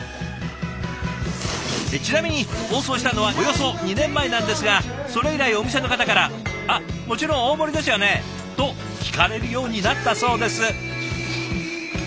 ちなみに放送したのはおよそ２年前なんですがそれ以来お店の方から「あっもちろん大盛りですよね？」と聞かれるようになったそうです。